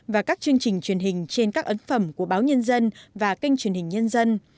và các chương trình truyền hình trên các ấn phẩm của báo nhân dân và kênh truyền hình nhân dân